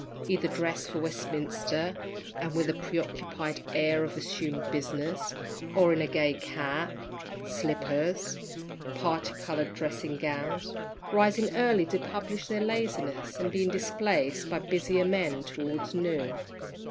either dressed for Westminster, and with the preoccupied air of assumed business, or in gay cap, slippers, and particoloured dressing gowns, rising early to publish their laziness, and being displaced by busier men towards noon.